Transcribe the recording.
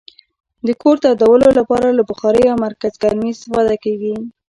د کور تودولو لپاره له بخارۍ او مرکزګرمي استفاده کیږي.